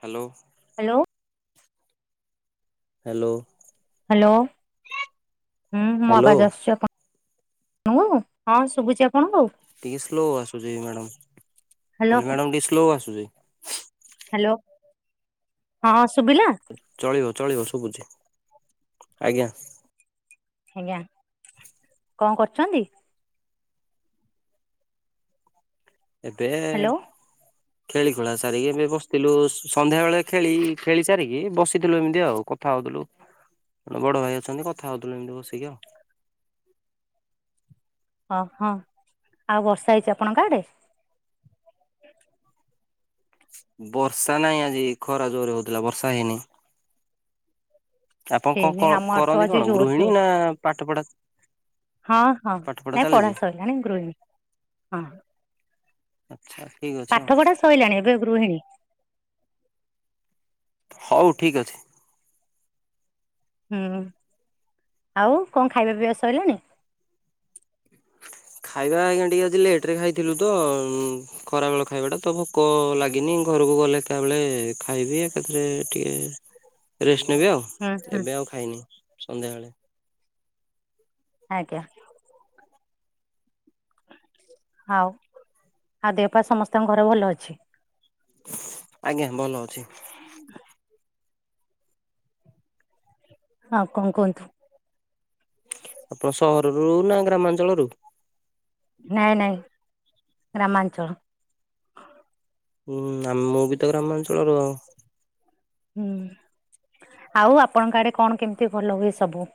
Hello. Hello. Hello. Hello ହୁଁ ମୋ hello. ଆବାଜ ଆସୁଛି ଆପଣ ମୁଁ ହଁ ଶୁଭୁଛି ଆପଣଙ୍କୁ? ଟିକେ ସ୍ଲୋ ଆସୁଛି ମ୍ୟାଡ଼ାମ୍ ହ୍ୟାଲୋ କହିଲି ମ୍ୟାଡ଼ାମ୍ ଟିକେ ସ୍ଲୋ ଆସୁଛି। ହ୍ୟାଲୋ ହଁ ସୁବିଲା? ଚଳିବ ଚଳିବ ଶୁୁବୁଛି ଆଜ୍ଞା। ଆଜ୍ଞା କଣ କରୁଛନ୍ତି? ଏବେ ହ୍ୟାଲୋ ଖେଳି ଖୁଳା ସାରିକି ଏବେ ବସିଥିଲୁ ସ ସନ୍ଧ୍ୟା ବେଳେ ଖେଳି ଖେଳି ସାରିକି ବସିଥିଲୁ ଏମିତି ଆଉ କ କଥା ହଉଥିଲୁ ବଡ ଭାଇ ଅଛନ୍ତି କଥା ହଉଥିଲୁ ଏମିତି ବସିକି ଆଉ। ଓ- ହଁ ଆଉ ବର୍ଷା ହେଇଚି ଆପଣଙ୍କ ଆଡେ? ବର୍ଷା ନାଇଁ ଆଜି ଖରା ଜୋର୍ ରେ ହଉଥିଲା ବର୍ଷା ହେଇନି। ଆପଣ କଣ- ହେଇନି ଆମ ଆଡେ ତ କଣ-କରନ୍ତି ଆଜି କଣ ଜୋର ଗୃହିଣୀ ଜୋର ନା ପାଠ ପଢା ହଁ- ହଁ ପାଠ ନାଇଁ ପଢା ଚାଲିଛି ସରିଲାଣି ଗୃହିଣୀ ହଁ। ଆଚ୍ଛା ଠିକ୍ ଅଛି ଆଉ। ସଇଲାଣି ଏବେ ଗୃହିଣୀ। ହଉ ଠିକ୍ ଅଛି। ହୁଁ- ଆଉ କଣ୍ ଖାଇବା ପିଇବା ସଇଲାଣି? ଖାଇବା ଆଜ୍ଞା ଟିକେ ଆଜି ଲେଟ୍ ରେ ଖାଇଥିଲୁ ତ ଉଁ- ଖରାବେଳ ଖାଇବା ଟା ତ ଭୋକ ଲାଗିନି ଘରକୁ ଗଲେ ଏକା ବଳେ ଖାଇବି ଏକାଥରେ ଟିକେ ରେଷ୍ଟ ନେବେି ଆଉ ହୁଁ ହୁଁ ଏବେ ଆଉ ଖାଇନି ସନ୍ଧ୍ୟାବେଳେ ଆଜ୍ଞା। ହଉ ଆଉ ଦେହପା ସମସ୍ତଙ୍କ ଘରେ ଭଲ ଅଛି? ଆଜ୍ଞା ଭଲ ଅଛି। ଆଉ କଣ୍ କୁହନ୍ତୁ? ଆପଣ ସହରରୁୁ ନା ଗ୍ରାମାଞ୍ଚଳରୁ? ନାଇଁ -ନାଇଁ ଗ୍ରାମାଞ୍ଚଳରୁ। ହୁଁ-ଆ- ମୁଁ ବି ତ ଗ୍ରାମାଞ୍ଚଳରୁ ଆଉ। ହୁଁ -ଆଉ ଆପଣଙ୍କ ଆଡେ କଣ କେମିତି ଭଲ ହୁଏ ସବୁ?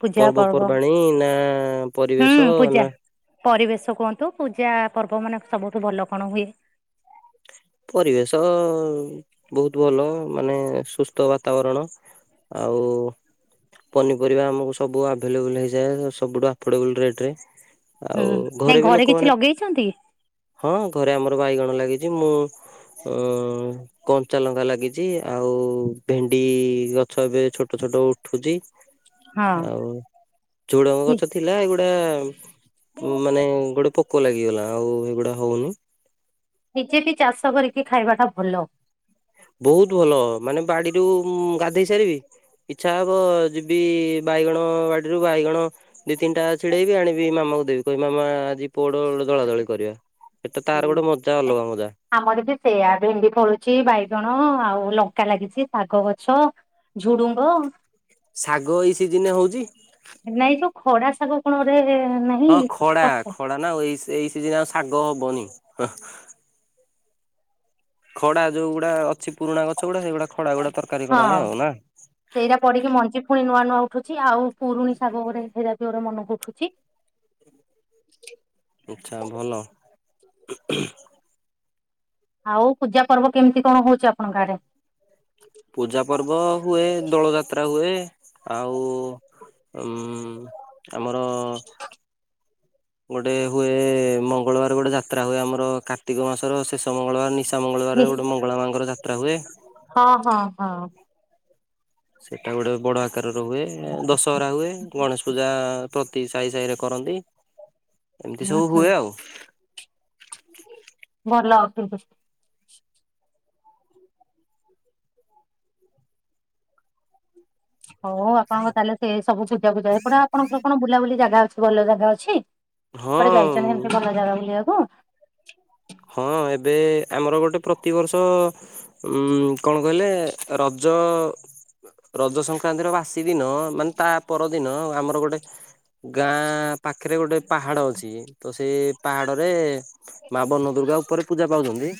ପୂଜା ପର୍ବ ପର୍ବପର୍ବାଣୀ ନା ପରିବେଶ ହୁଁ ପୂଜା। ନା ପରିବେଶ କୁହନ୍ତୁ ପୂଜା ପର୍ବ ମାନେ ସବୁଠୁ ଭଲ କଣ ହୁଏ? ପରିବେଶ ବହୁତ୍ ଭଲ ମାନେ ସୁସ୍ଥ ବାତାବରଣ। ଆଉ ପନିପରିବା ଆମକୁ ସବୁ ଆଭେଲେବୁଲ୍ ହେଇଯାଏ ସବୁଠୁ ଆଫୋର୍ଡେବୁଲ୍ ରେଟ୍ ରେ। ହୁଁ ଆଉ ନାଇଁ ଘରେ ବି କିଛି ଲୋକମାନେ- ଲଗେଇଛନ୍ତି? ହଁ ଘରେ ଆମର ବାଇଗଣ ଲାଗିଚି ମୁଁ ଅଁ- କଞ୍ଚା ଲଙ୍କା ଲାଗିଚି ଆଉ ଭେଣ୍ଡି ଗଛ ଏବେ ଛୋଟ ଛୋଟ ଉଠୁଚି ହଁ ଆଉ ଝୁଡଙ୍ଗ ଗଛ ଥିଲା ଏଗୁଡା ମାନେ ଗୋଟେ ପ ପୋକ ଲାଗିଗଲା ଆଉ ଏଗୁଡା ହଉନି। ନିଜେ ବି ଚାଷ କରିକି ଖାଇବା ଟା ଭଲ। ବହୁତ୍ ଭଲ ମାନେ ବାଡିରୁ ମୁଁ ଗାଧେଇ ସାରିବି ଇଚ୍ଛା ହବ ଯିବି ବାଇଗଣ ବାଡିରୁ ବାଇଗଣ ଦି ତିନିଟା ଛିଡେଇବି ଆଣିବି ମାମାକୁ ଦେବି କହିବି ମାମା ଆଜି ପୋଡ ଦଳା ଦଳି କରିବା ଏଟା ହୁଁ। ତାର ଗୋଟେ ମଜା ଅଲଗା ମଜା। ଆମର ବି ସେଇଆ ଭେଣ୍ଡି ଫଳୁଚି ବାଇଗଣ ଆଉ ଲଙ୍କା ଲାଗିଚି ଶାଗ ଗଛ ଝୁଡୁଙ୍ଗ। ଶାଗ ଏଇ ସିଜିନ୍ ରେ ହଉଚି? ନାଇଁ ଯଉ ଖଡା ଶାଗ କଣ ଗୁରେ ନାହିଁ ପତ୍ ନାଉ ଆଉ ଏଇ- ଏଇ ସିଜିନ୍ ରେ ଆଉ ଶାଗ ହବନି। ହଁ- ଖଡା ଯଉ ଗୁଡା ଅଛି ପୁରୁଣା ଗଛ ଗୁଡା ସେଗୁଡା ଖଡା ଗୁଡା ତରକାରୀ କରନ୍ତି ଆଉ ନା? ସେଇରା ପଡିକି ମଞ୍ଜି ପୁଣି ନୂଆ ନୂଆ ଉଠୁଚି ଆଉ ପୁରୁଣି ଶାଗ ଗୁରେ ହେଇରା ବି ଗୁରେ ମନକୁ ଉଠୁଚି। ଆଚ୍ଛା ଭଲ। ଆଉ ପୂଜା ପର୍ବ କେମିତି କଣ ହଉଚି ଆପଣଙ୍କ ଆଡେ? ପୂଜା ପର୍ବ ହୁଏ ଦୋଳ ଯାତ୍ରା ହୁଏ ଆଉ ଉଁ- ଆମର ଗୋଟେ ହୁଏ ମଙ୍ଗଳବାର ଗୋଟେ ଯାତ୍ରା ହୁଏ ଆମର କାର୍ତ୍ତିକ ମାସର ଶେଷ ମଙ୍ଗଳବାର ନିଶ୍ ନିଶା ମଙ୍ଗଳବାର ରେ ନିଶ୍ ଗୋଟେ ମଙ୍ଗଳା ମାଙ୍କର ଯାତ୍ରା ହୁଏ ହଁ- ହଁ- ହଁ। ସେଟା ଗୋଟେ ବଡ ଆକାରର ହୁଏ ଦଶହରା ହୁଏ ଗଣେଶ ପୂଜା ପ୍ରତି ସାହି ସାହି ରେ କରନ୍ତି ଏମିତି ହୁଁ ସବୁ ହୁଁ ହୁଏ ଆଉ। ଭଲ। [unintelligible] ହଉ ଆପଣଙ୍କ ତାହେଲେ ସେ ସବୁ ପୁଜା ଫୁଜା ଏପଟେ ଆପଣଙ୍କର କଣ ବୁଲାବୁଲି ଜାଗା ଅଛି ଭଲ ଜାଗା ଅଛି? କୋଆଡେ ଯାଇଛନ୍ତି ହଁ ଏମିତି ଭଲ ଜାଗା ବୁଲିବାକୁ? ହଁ ଏବେ ଆମର ଗୋଟେ ପ୍ରତିବର୍ଷ। ଉଁ କଣ କହିଲେ ରଜ। ରଜ ସଂକ୍ରାନ୍ତି ର ବାସି ଦିନ ମାନେ ତା ପରଦିନ ଆମର ଗୋଟେ। ଗାଁ ପାଖରେ ଗୋଟେ ପାହାଡ ଅଛି ତ ସେ ପାହାଡରେ ମା ବନ ଦୁର୍ଗା ଉପରେ ପୂଜା ପାଉଛନ୍ତି।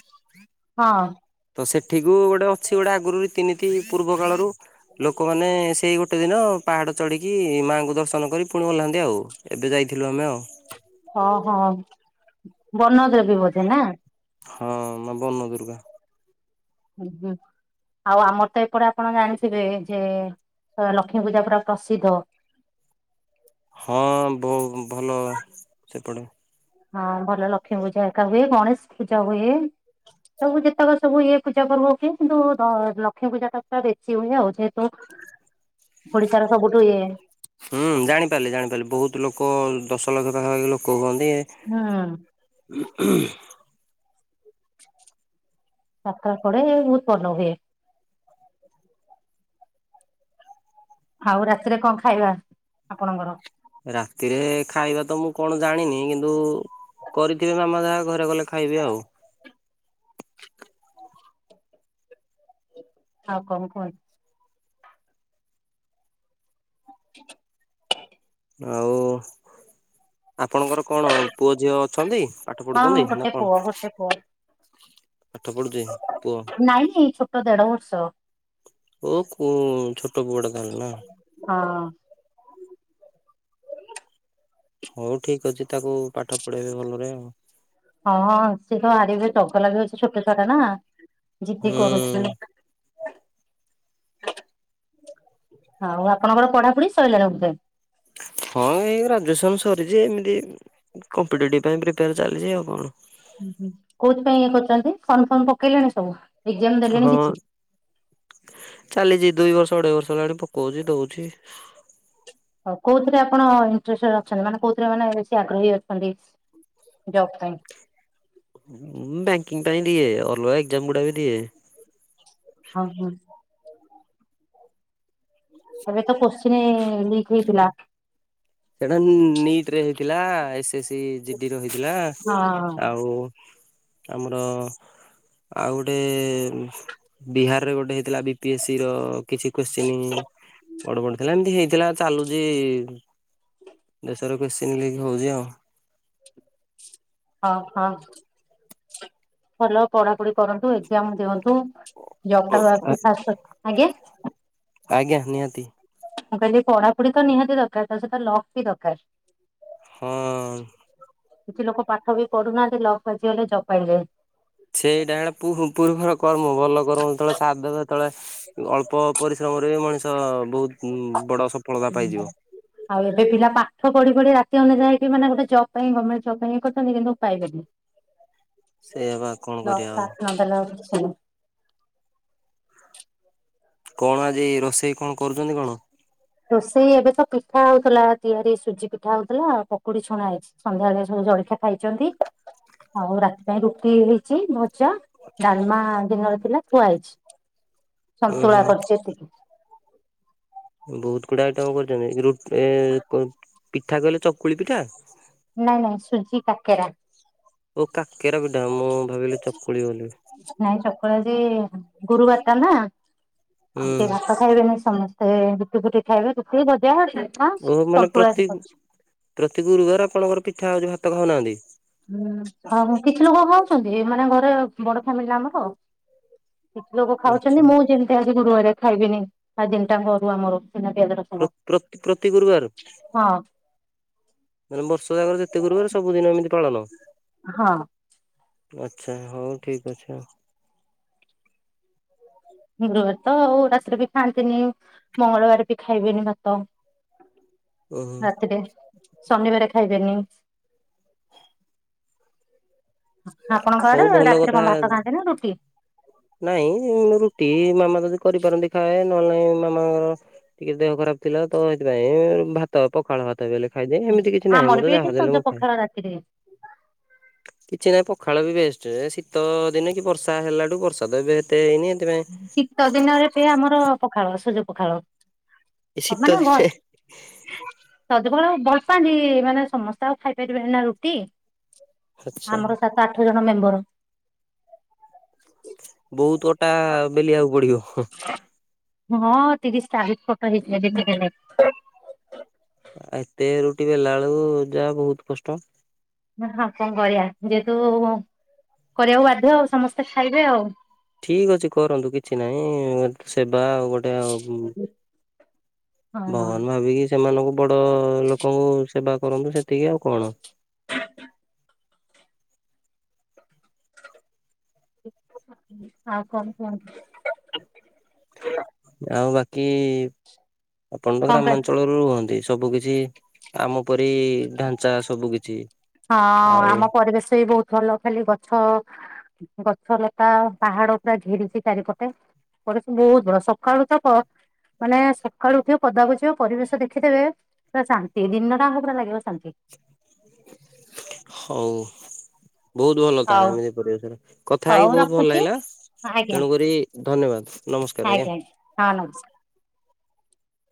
ହଁ ତ ସେଠିକୁ ଗୋଟେ ଅଛି ଗୋଟେ ଆଗରୁ ରୀତି ନିତି ପୂର୍ବ କାଳରୁ ଲୋକମାନେ ସେଇ ଗୋ ଗୋଟେ ଦିନ ପାହାଡ଼ ଚଢ଼ିକି ମାଆଙ୍କୁ ଦର୍ଶନ କରି ପୁଣି ଓହ୍ଲାନ୍ତି ଆଉ ଏବେ ଯାଇଥିଲୁ ଆମେ ଆଉ। ହଁ ହଁ ବନ ଦେବୀ ବୋଧେ ନା? ହଁ ମା ବନ ଦୁର୍ଗା। ହୁଁ ହୁଁ। ଆଉ ଆମର ତ ଏପଟେ ଆପଣ ଜାଣିଥିବେ ଯେ ଲକ୍ଷ୍ମୀ ପୂଜା ପୁରା ପ୍ରସିଦ୍ଧ। ହଁ ବହୁ ଭଲ ସେପଟେ। ହଁ ଭଲ ଲକ୍ଷ୍ମୀ ପୂଜା ହେରେକା ହୁଏ ଗଣେଶ ପୂଜା ହୁଏ। ତାଙ୍କୁୁ ଯେତେକ ସବୁ ଇଏ ପୂଜା ପର୍ବ ଓକେ କିନ୍ତୁ ଲକ୍ଷ୍ମୀ ପୂଜା ଟା ପୁରା ବେଶି ହୁଏ ଆଉ ଯେହେତୁ। ହ ଓଡିଶାର ର ସବୁଠୁ ଇଏ। ହୁଁ ଜାଣିପାରିଲି ଜାଣିପାରିଲି ବହୁତ ଲୋକ ଦଶଲକ୍ଷ ପାଖାପାଖି ଲୋକ ହୁଅନ୍ତି। ହଁ। ହଁ [inaudible] ଯାତ୍ରା ପଡେ ବହୁତ ଭଲ ହୁଏ। ଆଉ ରାତିରେ କଣ ଖାଇବା ଆପଣଙ୍କର? ରାତିରେ ଖାଇବା ତ ମୁଁ କଣ ଜାଣିନି କିନ୍ତୁ। କରିଥିବେ ମାମା ଯାହା ଘରେ ଗଲେ ଖାଇବି ଆଉ। ଆଉ କଣ କୁହନ୍ତୁ। ଆଉ ଆପଣଙ୍କର କଣ ପୁଅ ଝିଅ ଅଛନ୍ତି? ହଁ ପଢୁଛନ୍ତି ନା ଗୋଟେ କଣ? ପୁଅ ଗୋଟେ ପୁଅ। ପାଠ ପଢୁଛି? ପୁଅ ନାଇଁ ଛୋଟ ଦେଢ ବର୍ଷ। ଊଂକୁଁ ଛୋଟ ପୁଅଟେ ତାହେଲେ ନା। ହଁ। ହଉ ଠିକ ଅଛି ତାକୁ ପାଠ ପଢେଇବେ ଭଲରେ ଆଉ। ହଁ ହଁ ସିଏ ତ ଆରିବ ଚଗଲା ଛୋଟ ଛୁଆଟା ନା ଜିଦି ହୁଁ କରୁଛି। ଆଉ ଆପଣଙ୍କର ପଢାପଢି ଶଇଲାଣି ବଧେ। ହଁ ଏଇ ଗ୍ରାଜୁଏସନ ସରିଛି ଏମିତି କମ୍ପିଟେଟିଭ ପାଇଁ ପ୍ରିପେୟାର ଚାଲିଛି ଆଉ କଣ। ହୁଁ କୋଉଥିପାଇଁ ଇଏ କରୁଛନ୍ତି ଫର୍ମ ଫର୍ମ ପକେଇଲେଣି ସବୁ। ଏକ୍ଜାମ ଦେଲେଣି ହଁ କିଛି ଚାଲିଛି ଦୁଇ ବର୍ଷ ଅଢେଇ ବର୍ଷ ହେଲାଣି ପକଉଛି ଦଉଛି। ହଉ କୋଉଥିରେ ଆପଣ ଇଂଟରେଷ୍ଟଡ଼ ଅଛନ୍ତି ମାନେ କୋଉଥିରେ ମାନେ ବେଶୀ ଆଗ୍ରହୀ ଅଛନ୍ତି। ଯବ୍ ପାଇଁ। ବ୍ୟାଙ୍କିଙ୍ଗ ପାଇଁ ଦିଏ ଅଲଗା ଏକ୍ଜାମ ଗୁଡା ବି ଦିଏ। ହଁ ହଁ। ଏବେ ତ କୋଶ୍ଚିିନ ଲିକ ହେଇଥିଲା। ସେଇଟା ନିଟିରେ ହେଇଥିଲା ଏସ୍ ଏସ୍ ସି ଜିଡି ର ହେଇଥିଲା ହଁ ଆଉ। ଆମର ଆଉ ଗୋଟେ। ବିହାରରେ ଗୋଟେ ହେଇଥିଲା ବି ପି ଏସ୍ ସି ର କିଛି କୋସଚିନ ବଡ ବଡ ଥିଲା ଏମିତି ହେଇଥିଲା ଚାଲୁଛି। ଦେଶର କୋଶ୍ଚିନ ଲିକି ହଉଛି ଆଉ। ହଁ ହଁ। ଭଲ ପଢାପଢି କରନ୍ତୁ ଏକଜାମ ଦିଅନ୍ତୁ। ଜବଟା ଆଶୁଚି [unintelligible] ଆଜ୍ଞା। ଆଜ୍ଞା ନିହାତି। ମୁଁ କହିଲି ପଢାପଢି ତ ନିହାତି ଦରକାର ତା ସହିତ ଲକ୍ ବି ଦରକାର। ହଁ। କିଛି ଲୋକ ପାଠ ବି ପଢୁନାହାନ୍ତି ଲକ ବାଜି ଗଲେ ଜବ ପାଇଯାଏ। ସେଇଟା ହେ ପୂ-ପୂର୍ବର କର୍ମ ଭଲ କର୍ମ ଯେତବେଳେ ସାଦ ଦେବେ ହେତବେଳେ ଅଳ୍ପ ପରିଶ୍ରମରେ ମଣିଷ ବହୁତ ବଡ ସଫଳତା ପାଇଯିବ। ଆଉ ଏବେ ପିଲା ପାଠ ପଢି ପଢି ରାତି ଅନିଦ୍ରା ହେଇକି ମାନେ ଗୋଟେ ଜବ ପାଇଁ ଗମେଣ୍ଟ ଜବ୍ ପାଇଁ କରିଛନ୍ତି କିନ୍ତୁ ପାଇବେନି। ସେୟାପା କଣ କରିବା ଆଉ। [unintelligible] କଣ ଆଜି ରୋଷେଇ କଣ କରୁଛନ୍ତି କଣ? ରୋଷେଇ ଏବେ ତ ପିଠା ହଉଥିଲା ତିଆରି ସୁଜି ପିଠା ହଉଥିଲା ଆଉ ପକୁଡି ଛଣା ହେଇଛି। ସନ୍ଧ୍ୟାବେଳେ ସବୁ ଜଳିଖିଆ ଖାଇଛନ୍ତି। ଆଉ ରାତି ପାଇଁ ରୁଟି ହେଇଛି ଭଜା ଡାଲମା ଦିନରେ ଥିଲା ଥୁଆ ହେଇଛି। ଉଁ ସନ୍ତୁଳା ହୁଁ କରିଛି ଏତିକି। ବହୁତ ଗୁଡା ଆଇଟମ କରୁଛନ୍ତି ରୁ ଆ ଏ ପିଠା କହିଲେ ଚକୁଳି ପିଠା। ନାଇଁ ନାଇଁ ସୁଜି କାକେରା। ଓ କାକେରା ପିଟା ମୁଁ ଭାବିଲି ଚକୁଳି ବୋଲି। ନାଇଁ ଚକୁଳି ଆଜି ଗୁରୁବାର ଟା ହୁଁ ଆଉ ସେ ଭାତ ଖାଇବେନି ସମସ୍ତେ ଗୁଟି ଫୁଟି ଖାଇବେ ଗୁତି ଭଜା [unintelligible] ଓହ ମାନେ ସନ୍ତୁଳା ଆଜି ପ୍ରତି କରିଛି। ପ୍ରତି ଗୁରୁବାର ଆପଣଙ୍କର ପିଠା ହଉଛି ଭାତ ଖାଉନାହାନ୍ତି। ହୁଁ ହଁ କିଛି ଲୋକଙ୍କ ଖାଉଛନ୍ତି ମାନେ ଘରେ ବଡ ଫ୍ୟାମିଲି ଆମର। କିଛି ଲୋକ ଖାଉଛନ୍ତି ଆଚ୍ଛା ମୁଁ ଯେମିତି ଆଜି ଗୁରୁବାରେ ଖାଇବିନି ତା ଦିନଟାଙ୍କ ଅରୁଆ ମୋର ଵିନା ପିଆଜର ପ୍ର-ପ୍ର-ପ୍ରତି ଗୁରୁବାର। ମାନେ ବର୍ଷ ଜାଗାରେ ଯେତେ କରିବାରେ ସବୁଦିନ ଏମିତି ପାଳନ। ହଁ। ଆଚ୍ଛା ହଉ ଠିକ୍ ଅଛି ଆଉ। ଗୁରୁବାର ତ ଆଉ ରାତିରେ ବି ଖାଆନ୍ତିନି ମଙ୍ଗଳବାର ବି ଖାଇବେନି ଭାତ‌। ଓହୋ ରାତିରେ ଶନିବାର ଖାଇବେନି। ଆପଣଙ୍କ ହଉ ଆଡେ ଭଲ ରାତିରେ କଥା କଣ ଭାତ ଖାଆନ୍ତି ନା ରୁଟି। ନାଇଁ ରୁଟି ମାମା ଯଦି କରିପାରନ୍ତି ଖାଏ ନହେଲେ ନାଇଁ ମାମାଙ୍କ ଟିକେ ଦେହ ଖରାପ ଥିଲା ତ ହେଥିପାଇଁ ଭାତ ପଖାଳ ଭାତ। କେତେବେଲେ ଖାଇଦିଏ ହେମିତି କିଛି ନାହିଁ ଆମର ବି ମୁଁତ ଏଠି ଯାହା ଦେଲେ ସଜ ମୁଁ ଖାଏ। ପଖାଳ ରାତିରେ କିଛି ନାହିଁ ପଖାଳ ବି ବେଷ୍ଟ ଶୀତ ଦିନେ କି ବର୍ଷା ହେଲାଠୁ ବର୍ଷ [unintelligible] ହେଇତି ପାଇଁ ଶୀତ ଦିନରେ ଵି ଆମର ପଖାଳ ସଜ ପଖାଳ ଏ ଶୀତ ମାନେ ଗ ଦିନେ ସଜ ପଖାଳ ଭଲ ପାଆନ୍ତି ମାନେ ସମସ୍ତେ ଆଉ ଖାଇପାରିବେନ ନା ରୁଟି। ଆଚ୍ଛା ଆମର ସାତ ଆଠ ଜଣ ମେମ୍ବର ବହୁତ ଅଟା ବେଲିବାକୁ ପଡିବ। ହଁ ହଁ ତିରିଶ ଚାଳିଶ ଫଟ ହେଇଯାଏ ଦିନେ ଦିନେ। ଆ ଏତେ ରୁଟି ବେଲାଳୁ କୁ ଯାହା ବହୁତ କଷ୍ଟ। ହଁ କଣ କରିବା ଯେହେତୁ କରିବାକୁ ବାଧ୍ୟ ଆଉ ସମସ୍ତେ ଖାଇବେ ଆଉ। ଠିକ୍ ଅଛି କରନ୍ତୁ କିଛି ନାହିଁ ସେବା ଆଉ ଗୋଟେ ଆଉ। ହୁଁ। ଭଗବାନ୍ ଭାବିକି ସେମାନଙ୍କୁ ବଡ଼ ଲୋକଙ୍କୁ ସେବା କରନ୍ତୁ ସେତିକି ଆଉ କଣ। [inaudible] ହଉ କଣ କୁହନ୍ତୁ? ଆଉ ବାକି ଆପଣତ କଣ କହ ଗ୍ରାମାଞ୍ଚଳରୁ ରୁହନ୍ତି ସବୁ କିଛି ଆମ ପରି ଢାଞ୍ଚା ସବୁ କିଛି। ହଁ ଆଉ ଆମ ପରିବେଶବି ବହୁତ୍ ଭଲ ଖାଲି ଗଛ ଗଛ ଲତା ପାହାଡ଼ ପୁରା ଘେରିଛି ଚାରିପଟେ। ପରିସମ ବହୁତ୍ ବଡ଼ ସକାଳୁ ଚାପ ମାନେ ସକାଳୁ ଉଠିବ ପଦାକୁୁଜିବ ପରିବେଶ ଦେଖିଦେବେ ପୁରା ଶାନ୍ତି ଦିନଟାଆଙ୍କ ପୁରା ଲାଗିବ ଶାନ୍ତି। ହଉ। ବହୁତ୍ ଭଲ ହଉ ତାର ଏମିତି ପରିବେଶରେ କଥା ହେଇକି ହଉ ବହୁତ୍ ଭଲ ରଖୁଛି ଲାଗିଲା। ଆଜ୍ଞା। ତେଣୁକରି ଧନ୍ୟବାଦ ନମସ୍କାର ଆଜ୍ଞା। ହଁ ନମସ୍କାର।